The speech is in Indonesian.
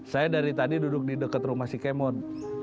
saya dari tadi duduk di dekat rumah si kemon